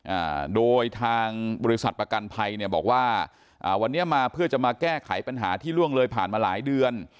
อ่าโดยทางบริษัทประกันภัยเนี่ยบอกว่าอ่าวันนี้มาเพื่อจะมาแก้ไขปัญหาที่ล่วงเลยผ่านมาหลายเดือน